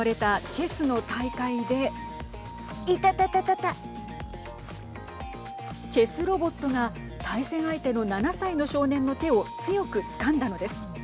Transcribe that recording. チェスロボットが対戦相手の７歳の少年の手を強くつかんだのです。